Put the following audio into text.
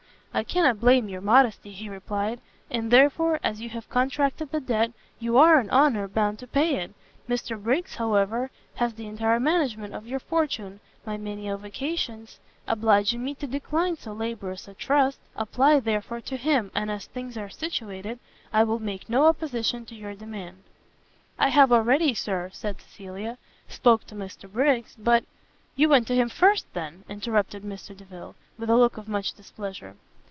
"I cannot blame your modesty," he replied, "and therefore, as you have contracted the debt, you are, in honour, bound to pay it. Mr Briggs, however, has the entire management of your fortune, my many avocations obliging me to decline so laborious a trust; apply, therefore, to him, and, as things are situated, I will make no opposition to your demand." "I have already, Sir," said Cecilia, "spoke to Mr Briggs, but " "You went to him first, then?" interrupted Mr Delvile, with a look of much displeasure.